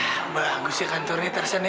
wah bagus ya kantornya tersen ya